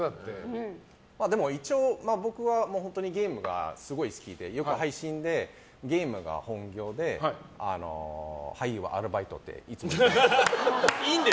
一応、僕はゲームがすごい好きでよく配信で、ゲームが本業で俳優はアルバイトっていつも言ってます。